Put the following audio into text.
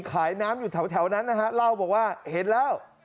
ขายน้ำอยู่แถวนั้นนะฮะเล่าบอกว่าเห็นแล้ว